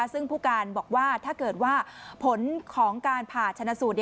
ซึ่งผู้การบอกว่าถ้าเกิดว่าผลของการผ่าชนะสูตร